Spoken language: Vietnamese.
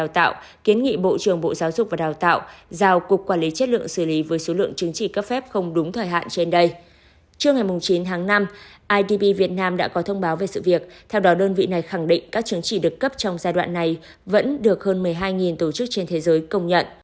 trưa ngày chín tháng năm idb việt nam đã có thông báo về sự việc theo đó đơn vị này khẳng định các chứng chỉ được cấp trong giai đoạn này vẫn được hơn một mươi hai tổ chức trên thế giới công nhận